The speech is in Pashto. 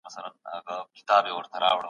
په شمله کې د خطي نسخو د پېژندنې اسانتیاوې.